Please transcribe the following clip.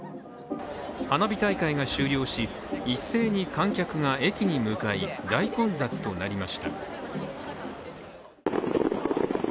花火大会が終了し、一斉に観客が駅に向かい、大混雑となりました。